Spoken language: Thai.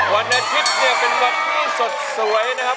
วันอาทิตย์เนี่ยเป็นวันที่สดสวยนะครับ